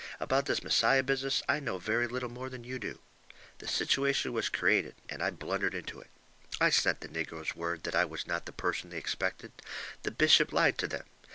About this Messiah business I know very little more than you do. The situation was created, and I blundered into it. I sent the negroes word that I was not the person they expected. The bishop lied to them.